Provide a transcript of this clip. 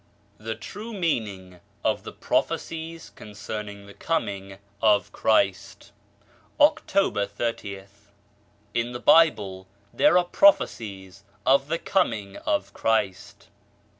THE TRUE MEANING OF THE PROPHECIES CONCERNING THE COMING OF CHRIST October ysth. TN the Bible there are prophecies of the Coming of * Christ.